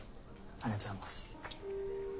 ありがとうございます。